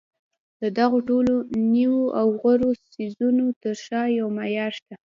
د دغو ټولو نویو او غوره څیزونو تر شا یو معیار شته